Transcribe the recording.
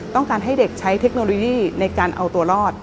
ต้องการให้เด็กใช้เทคโนโลยีในการเอาตัวรอด